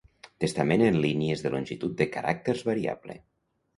Testament en línies de longitud de caràcters variable.